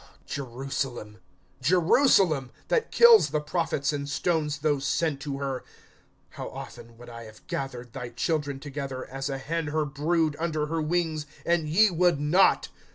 (34)Jerusalem! Jerusalem! that kills the prophets, and stones those sent to her; how often would I have gathered thy children together, as a hen her brood under her wings, and ye would not!